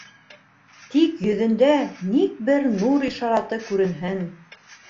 Тик йөҙөндә ник бер нур ишараты күренһен!